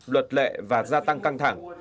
luật lệ và gia tăng căng thẳng